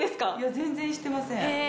全然してません。